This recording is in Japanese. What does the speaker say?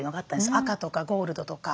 赤とかゴールドとか。